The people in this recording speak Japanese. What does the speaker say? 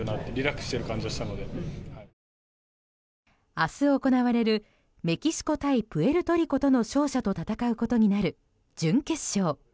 明日、行われるメキシコ対プエルトリコとの勝者と戦うことになる準決勝。